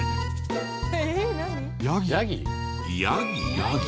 ヤギ？